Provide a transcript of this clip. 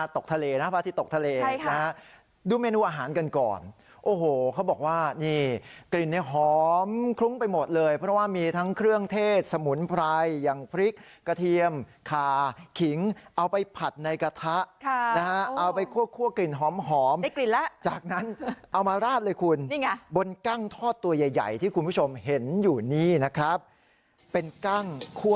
ตกทะเลนะพระอาทิตย์ตกทะเลนะฮะดูเมนูอาหารกันก่อนโอ้โหเขาบอกว่านี่กลิ่นเนี่ยหอมคลุ้งไปหมดเลยเพราะว่ามีทั้งเครื่องเทศสมุนไพรอย่างพริกกระเทียมคาขิงเอาไปผัดในกระทะนะฮะเอาไปคั่วกลิ่นหอมได้กลิ่นแล้วจากนั้นเอามาราดเลยคุณบนกั้งทอดตัวใหญ่ที่คุณผู้ชมเห็นอยู่นี่นะครับเป็นกั้งคั่ว